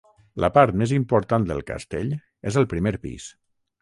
La part més important del castell és el primer pis.